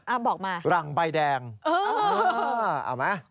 อ้าวบอกมารังใบแดงเออเอ้าเอาไหม